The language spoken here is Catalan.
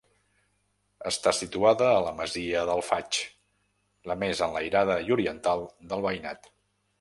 Està situada a la masia del Faig, la més enlairada i oriental del veïnat.